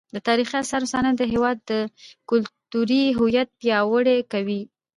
د تاریخي اثارو ساتنه د هیواد کلتوري هویت پیاوړی کوي.